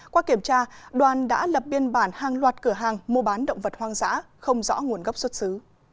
qua kiểm tra đoàn đã lập biên bản hàng loạt cửa hàng mua bán động vật hoang dã không rõ nguồn gốc xuất xứ